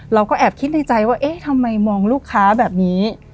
เราก็แอบคิดในใจว่าเอ๊ะทำไมมองลูกค้าแบบนี้